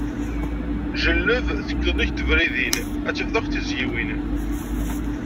Jelleb, tekkeḍ nnig tebridin, ad tifeḍ akk tizyiwin.